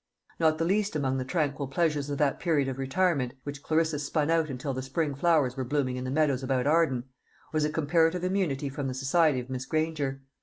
Not the least among the tranquil pleasures of that period of retirement which Clarissa spun out until the spring flowers were blooming in the meadows about Arden was a comparative immunity from the society of Miss Granger.